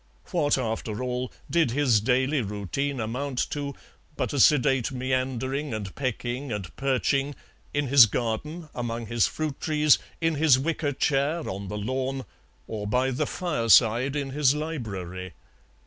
What, after all, did his daily routine amount to but a sedate meandering and pecking and perching, in his garden, among his fruit trees, in his wicker chair on the lawn, or by the fireside in his library?